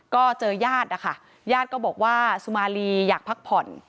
ก็เจอญาตินะคะญาติก็บอกว่าสุมารีอยากพักผ่อน